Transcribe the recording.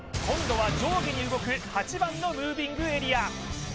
今度は上下に動く８番のムービングエリア